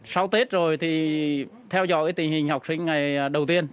sau tết rồi thì theo dõi tình hình học sinh ngày đầu tiên